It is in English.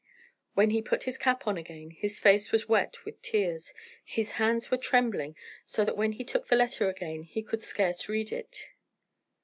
When he put his cap on again his face was wet with tears, his hands were trembling so that when he took the letter again he could scarce read it.